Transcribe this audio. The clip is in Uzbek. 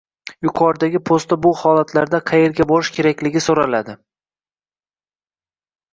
Yuqoridagi postda bu holatlarda qaerga borish kerakligi so'raladi